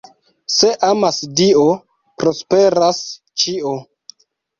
Se amas Dio, prosperas ĉio.